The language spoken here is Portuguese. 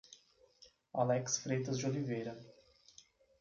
Alex Freitas de Oliveira